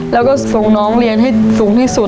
แล้วก็ส่งน้องเรียนให้สูงที่สุด